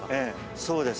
そうですね。